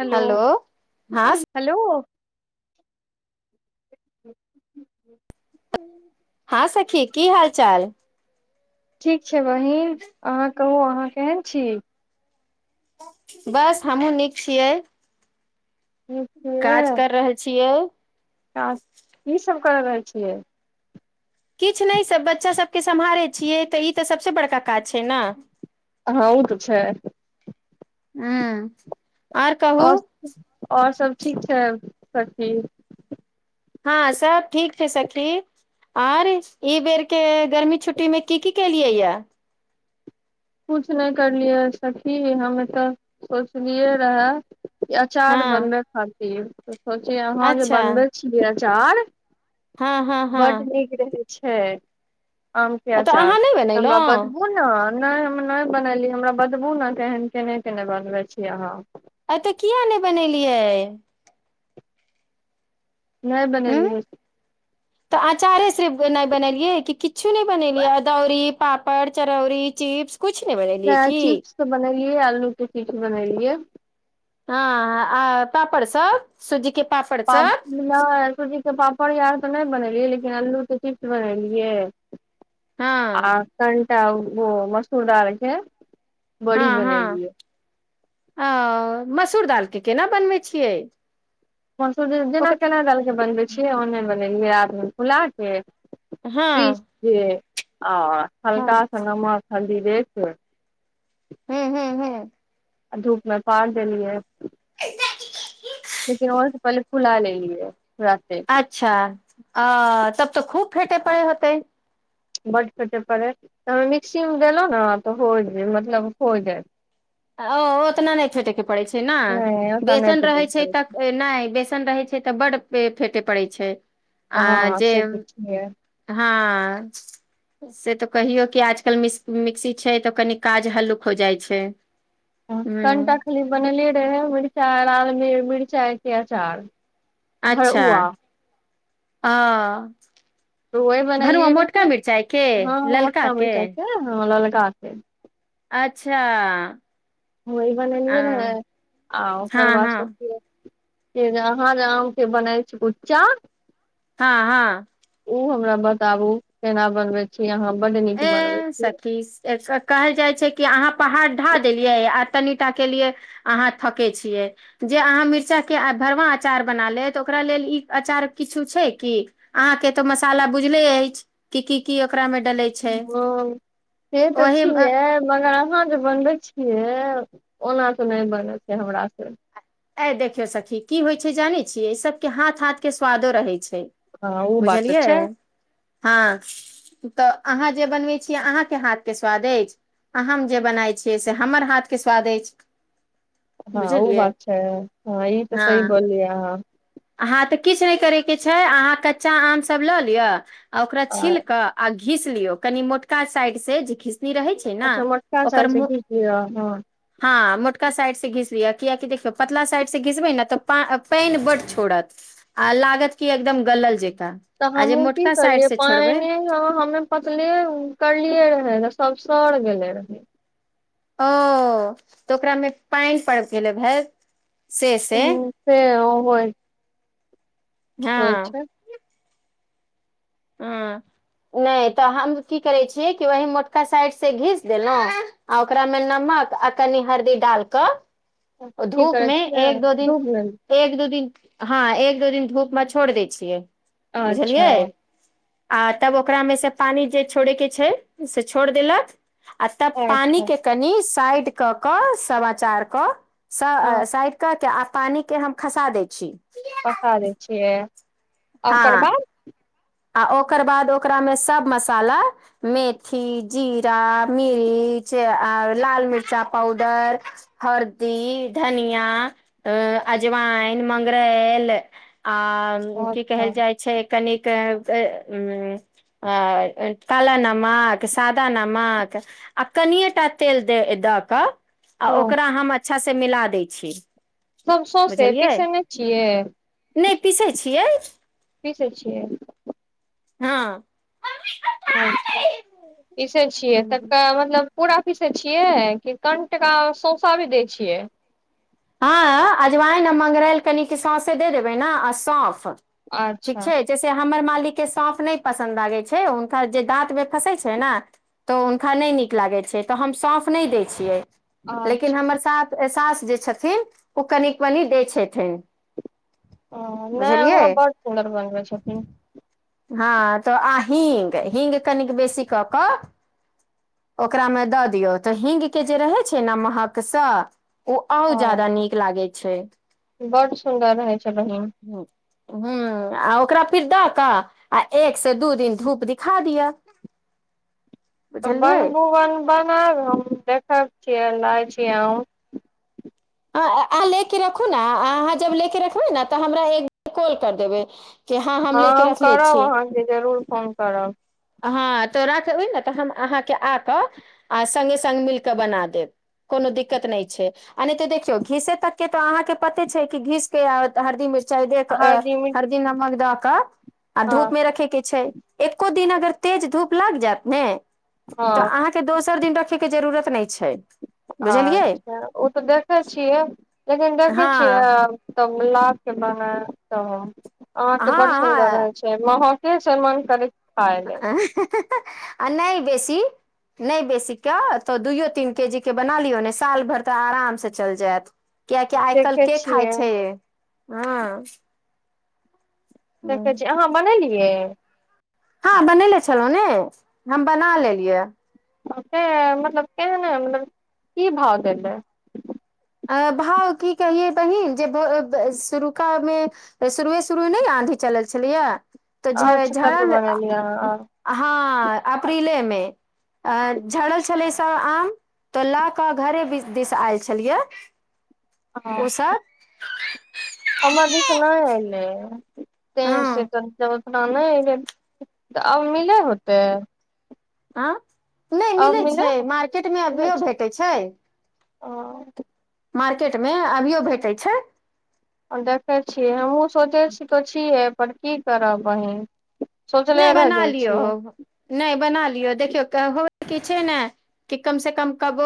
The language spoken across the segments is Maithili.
हेलो हलो हां स हेलो [inaudible] हां सखी की हाल चाल ठीक छै बहीन अहाँ कहू अहाँ केहन छी बस हमहूं नीक छियै ठीक काज छियै कर रहल छियइ काज की सब कर रहल छियै किछु नहि सब बच्चा सबके सम्हारैइ छियै तऽ ई तऽ सबसे बड़का काज छैइ ना हां ओ तऽ छैइ हूंअ् और और सब ठीक छैइ सब टी हां सब ठीक छैइ सखी आर ई बेरके गर्मी छुट्टीमे की की केलियैया किछु नई करलियै सखी हम एतऽ सोचलियै रहए अचार हँ बनबै खातिर त सोचै अहाँ जे बनबै छियै अचार हां हां हां छैइ आम के अहाँ अचार नहि हमरा बनेलहुँ बतबू न नई हम नई बनेलियै हमरा बतबू ने केहन केने केने बनबै छी अहाँ ऐ तऽ किया नै बनेलियै नै उं बनेलियै तऽ अँचारे सिर्फ नै बनेलियै कि किछु नै बनेलियै अदौरी पापड़ चरौरी चिप्स कुछ नहि बनेलियै हां की चिप्स तऽ बनेलियै आलूके चिप्स बनेलियै हां आ पापड़ सब सुज्जी के पापड़ पाप सब नै सुज्जी के पापड़ आर तऽ नई बनेलियै लेकिन आल्लूके चिप्स बनेलियै हँ आ कनिटा ओ मसूरदालके हां हां आओ मस ससुर दाल के केना बनबै छियै मसूर जेना ओकर चना दाल के बनबैइ छियै ओनही बनेलियै रात में फुला के हँ पीस के आ हँ हल्का सा नमक हल्दी देके हूंअ् हूंअ् हूंअ् धूप में मे पार देलियै [inaudible] लेकिन और से पहिले फुला ले लिअइ अच्छा अ तब तऽ खूब फेंटे पड़ैइ होतई बड्ड फेंटय पड़ै तऽ मिक्सी में देलहुँ ने तऽ हो मतलब हो जायत ओ ओतना नई फेंटे के पड़ैई छैइ ना नहि ओकरा नहि बेसन रहै भेटैत छै तऽ नहि बेसन रहैय तऽ बड्ड फेंटे पड़ैइ छैइ आ हँ जे से तऽ छियै हां से तऽ कहियौ कि आजकल मिसक मिक्सी छै तऽ कनि काज हल्लुक हो जाइ छैइ कनिटा खाली बनले रहैइ मिरचाइ और मिरचाइके अचार अच्छा भरुआ हंअ तऽ वही बनेलियै रहै के हँ ललका मोटका मिर्चाइ के ह ललका के अच्छा वहीं अ बनेलियै रहए हँ आ ओकर बाद हँ सोचिय से जे अहाँ जे आमके बनै छी कुच्चा हँ हँ उ हमरा बताबु केना बनबै छी अहाँ बड्ड नीक बनबै ए छी सखी ए क कहल जाइ छै कि अहाँ पहाड़ ढ़ाह देलियै आ तनि टा के लिए अहाँ थकै छियै जे अहाँ मिर्जा के आ भरमार अचार बना ले तऽ ओकरा लेल ई अचार किछु छै कि अहाँके तऽ मसाला बुझले अछि की की की ओकरा मे डले छै हँ से तऽ ओहि छियै मगर अहाँ जे बनबै छियै ओना त नहि बनै छै हमरा से ए देखियो सखी की होय छै जाने छिये इ सब के हाथ हाथ के स्वादो रहे छै छै हँ ओ बात तऽ बुझलियै छै हँ तऽ अहाँ जे बनबैत छियै अहाँके हाथके स्वाद अछि आ हम जे बनाइ छियै से हमर हाथके स्वाद अछि हँ ओ बुझलियै बात छै हँ ई तऽ सही हँ बोललियै अहाँ अहाँ तऽ किछु नहि करयके छै अहाँ कच्चा आमसभ लऽ लिअ आ ओकरा छील के आ घीस लियो कनि मोटका साइड से जे घीस रहै छै न अच्छा मोटका ओकर चाय से मो की किय हँ हाँ मोटका साइड से घिसलिय कियााकि देखियो पतला साइड से घिसबे न त पा पानि बड छ छोरत आ लागत कि एकदम गलल जेका तऽ हमहुँ की करलियै पाइने हमे पतले करलियै रहे सब सड़ गेले रहै ओ तऽ ओकरामे पानि पड़ गेलै भैत ह से होइत हँ हँ नहि तऽ हम की करै छियै कि वही मोटका साइड से घीस देलहुं आ ओकरामे नमक मक आ कनी हरदी डाल क की धूप करै मे छियै एक दू दिन डूब गेल एक दू दिन हँ एक दू दिन धूपमे छोड़ि दै छियै अच्छा बुझलियै आ तब ओकरामे से पानि जे छोड़ेके छै से छोड़ देलक आ तब पानी अच्छा के कनि साइड कऽ कऽ सब आचार कऽ हँ स साइड कऽ के आ पानी के हम खसा दै छी पका दै छियै आ ओकर हँ बाद आ ओकर बाद ओकरामे सब मसाला मेथी जीरा मिरीच आ लाल मिर्चा पाउडर हरदी धनिया अजवाइन मंगरैल आ की अच्छा कहल जाइ छै कनिक त अ्म आ काला नमक सादा नमक आ कनियटा तेल दे द दऽ कऽ आ हँ ओकरा हम अच्छा से मिला दै छी सब सौसे बुझलियै पीसे नहि छियै नहि पीसै छियै पिसै छियै हँ अच्छा पीसे छियै तब त मतलब पूरा पीसे छियै कि कनि टका सौसा भी दै छियै हँ अजवाइन आ मंगरैल कनिक सौसे दे देबै न आ सौफ ठीक अच्छा छै जैसे हमर माल लिकके साँफ नै पसन्द लागे छै हुनका जे दाँत मे फसे छै न त उनका नहि निक लागे छै छै त हम सौंफ नहि दै छियै लेकिन अच्छा हमर सात सास जे छथिन ओ कनिक मनिक दै छथिन ओ नहि बुझलियै वहाँ बड सुन्दर बनबै छथिन हँ त आ हींग हींग कनिक बेसी क क ओकरामे द दियौ त हींगके जे रहै छै न महकस ओ आऊ ह जादा नीक लागै छै बड सुन्दर रहै छै बहिन ह आ ओकरा फिर द क आ एक से दू दिन धूप दिखा दिया त बनबुवन बनब हम देखै छियै लै छि हम ह अहाँ लेके रखू ने अहाँ जब लेके रखबै ने त हमरा एक बेर कॉल कर देबै कि हँ लेके हम रखले करब छी अहाँके जरूर फोन करब हँ त राखबै ने त हम अहाँके आक आ संगे संग मिल क बना देब कोनो दिक्कत नहि छै आ नहि त देखियौ घीसे तकके त अहाँके पते छै कि घीसके हरदी मिर् चाइ दे क हरदम हरदी नमक द क आ हँ धूप मे रखे के छै एको दिन अगर तेज धूप लागि जायत ने हँ त अहाँके दोसर दिन रखैके जरूरत नहि छै बुझलियै अच्छा ओ त देखै छियै लेकिन देखे छियै हँ त गुलाब के बनल त अहां के बड़ हँ सुंन्दर हँ रह छै मह के छै मन करै खाय ले आ नहि बेसी नहि बेसीके त दुइयो तीन केजी के बना लियौ ने साल भरि त आरामस चलि जायत कियकि आइ कल देखे के खाय छियै छै हँ देखै छिय अहाँ बनेलियै हँ बनेले छलहुँ ने हम बना लेलियै से मतलब केहन मतलब की भाव देलै अ भाव की कहियै बहिन जे शुरुखा मे शुरुए शुरुए न आंधी च चलल छलैय त झ अच्छा झारा तबे मे बनेलियै अहाँ हँ अप्रीले मे अ झड़ल छलै सब आम त ल क घरे बिस दिस आयल छलियै हँ उसब हमर दिस नहि अलै तें से हँ त ओना नहि अबै त आब मिले होतै आँ नहि मिलैत छै मार्केटमे अभियो भेटै छै ओ मार्केट मे अभियो भेटै छै आ देखै छियै हमहूँ सोचै छी त छियै पर की करब बहीन नहि बना लियौ नहि बना लियो देखियौ हो की छै ने कि कम से कम कब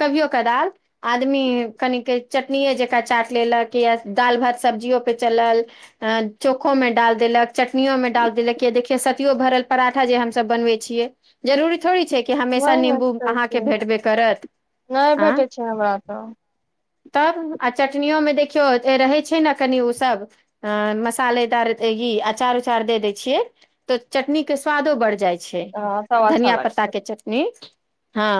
कभियो कदाल आदमी कनि के चटनीेये जेंका चा लेलक या दालि भात सब्जियो पे चलल चोखो मे डाल देलक चटनीयो मे डाल देलक के देखियै सतियो भरल पराठा जे हमसब बनबै छियै जरूरी थोड़ी छै हमेशा वही ने निंबू कहै अहाँके छियै भेटबे करत नहि आँ भेटै छै हमरा त तब आ चटनियो में देखियौ रहे छै ने कनि उ सब अ मसालेदार अचार उचार दे दय छियै त चटनी के स्वादो बढ़ जाइ छै हँ तब अच्छा धनिया लागै पत्ताके चटनी हँ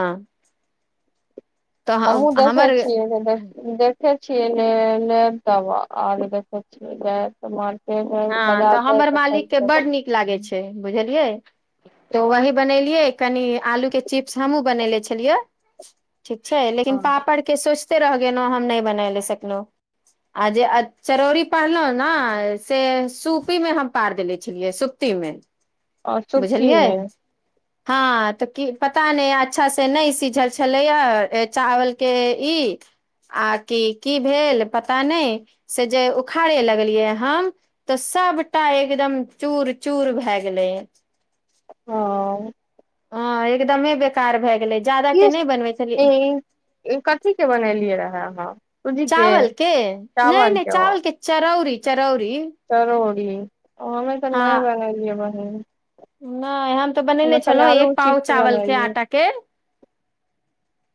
तऽ हमहुँ ह- देखै हमर छियै देखेै छियै ने ने तब आब देखै छियै ने त मन हँ त हमर मालिकके बड नीक लागै छै बुझलियै तो वही बनेलियै कनि आलू के चिप्स हमहुँ बनेले छलियै ठीक छै लेकिन आओर पापड़ के सो र गेलहु हम नहि बना ले सकलहुँ आ जे चरौरी पारलहु न से सूपी मे हम पार देेले छलियै सुप्ती मे आओर सुपती। बुझलियै मे हँ तऽ की पता नहि अच्छासँ नहि सिझल छलैए चावलके ई आ कि की भेल पता नहि से जे उखाड़े लगलियै हम तऽ सभटा एकदम चूर चूर भए गेलैए हँ हँ एकदमे बेकार भए गेलै ज्यादाके किस नहि बनबै छलियै ए कथी के बनेलियै रहे अहाँ सूजी चावल के नहि नहि चावल के चरौरी रौरी ज हमे तऽ नहि बनलियै बहीन नहि हम तऽ बनेने छलहुँ एक पाव चिप्स चावलके बनेलियै आटाके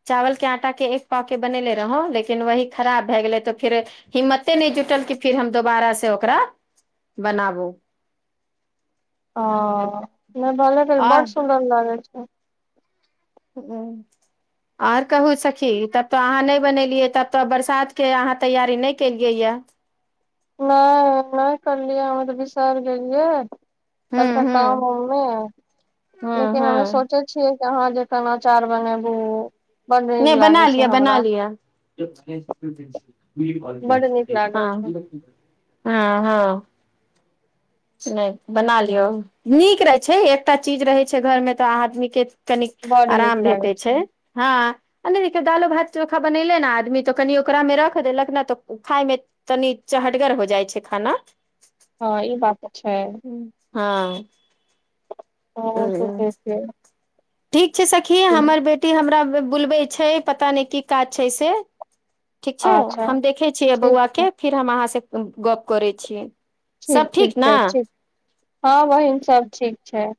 चावल के आटा के एक पाव के बनेले रहौ लेकिन वही खराब भए गेलै तऽ फिर हिम्मते नहि जुटलके फिर हम दोबारा से ओकरा बनाबू ह नहि भले फिर आओर बड सुन्दर लागैत छै ह आओर कहू सखी तब तऽ अहाँ नहि बनेलियै तब तऽ बरसातके अहाँ तैयारी नहि केलियै यए नहि नहि करलियै हम त विसर गेलियै हूँ कनिटा हूँ काममे हूँ लेकिन हमे हूँ सोचे छियै अहाँ जे केनाचार बनेबू बड नीक नहि बना लागे लिया छै बना हमरा लिया बड नीक लागे छै हँ हँ [unintelligible] नहि बना लियौ नीक रहै छै एकटा चीज रहै छै घरमे तऽ आदमीके कनी बड नीक आराम लागे भेटै छै हँ आ नहि देखियौ दालो भात चोखा बनेले ने आदमी तऽ कनि ओकरामे रख देलक ने तऽ खायमे तनि चहटगर हो जाइ छै खाना हँ ई बात छै हँ ह त छै ठीक छै सखी हमर बेटी हमरा बुलबै छै पता नहि की काज छै से ठीक छै अच्छा हम देखैत छियै ठीक छै बौआके फिर हम अहाँसँ गप्प करैत छियै ठीक सब ठीक छै ने ठीक हँ बहिन सब ठीक छै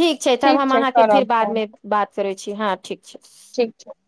ठीक छै तब हम अहाँके फेर बादमे बात करैत छी हँ ठीक छै ठीक छै